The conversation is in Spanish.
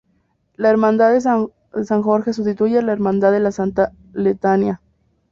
La Hermandad de San Jorge sustituye a la Hermandad de la Santa Letanía.